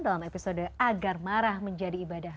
dalam episode agar marah menjadi ibadah